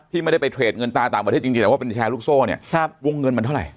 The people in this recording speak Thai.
ที่ไม่ได้ไปเทรดเงินตามเวลาจริงแต่ว่าเป็นแชร์ลูกโซ่เนี่ยวงเงินมันเท่าไหร่